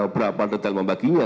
berapa detail membaginya